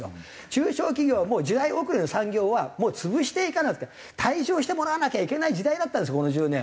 中小企業はもう時代遅れの産業はもう潰して退場してもらわなきゃいけない時代だったんですこの１０年。